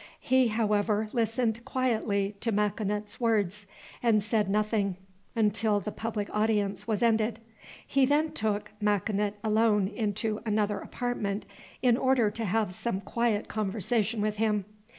He, however, listened quietly to Makinut's words, and said nothing until the public audience was ended. He then took Makinut alone into another apartment in order to have some quiet conversation with him.